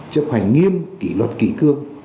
chấp hành nghiêm kỷ luật kỷ cương